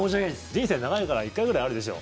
人生長いから１回ぐらいあるでしょ。